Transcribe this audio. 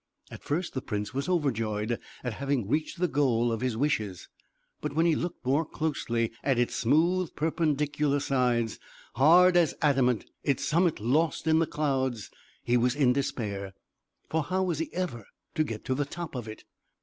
At first the prince was overjoyed at having reached the goal of his wishes; but when he looked more closely at its smooth perpendicular sides, hard as adamant its summit lost in the clouds he was in despair; for how was he ever to get to the top of it?